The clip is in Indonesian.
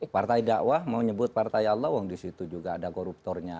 partai dakwah mau nyebut partai allah wong disitu juga ada koruptornya